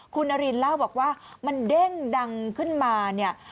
คุณนารินเล่าบอกว่ามันเด้งดังขึ้นมาเนี่ย